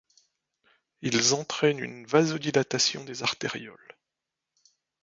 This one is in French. Ils entraînent une vasodilatation des artérioles.